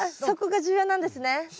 そこが重要なんですね。